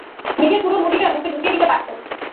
নিজের পুরো মুঠিটা মুখে ঢুকিয়ে দিতে পারত।